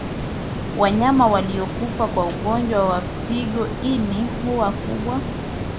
Wanyama waliokufa kwa ugonjwa wa figo ini huwa kubwa